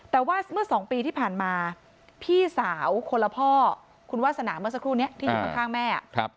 แต่ว่าเมื่อ๒ปีที่ผ่านมาพี่สาวคนละพ่อคุณวาสนาเมื่อสักครู่นี้ที่อยู่ข้างแม่